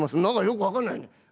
何かよく分かんないね。